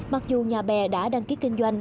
mặc dù nhà bè đã đăng ký kinh doanh